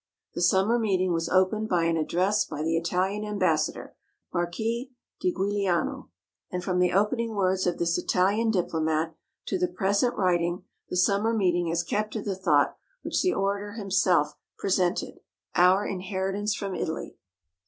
The summer meeting was opened by an address by the Italian Ambassador, Marquis Di Guiliano, and from the opening words of this Italian diplomat to the present writing, the summer meeting has kept to the thought which the orator himself presented, our inheritance from Italy.